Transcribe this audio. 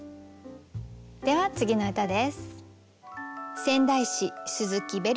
では次の歌です。